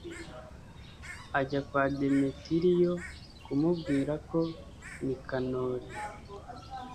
ajya kwa demetiriyo kumubwira ko nikanori